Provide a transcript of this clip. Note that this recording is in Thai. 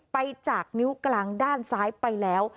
ไปจากนิ้วกลางด้านซ้ายไปแล้ว